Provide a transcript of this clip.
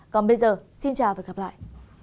còn bây giờ xin chào và gặp lại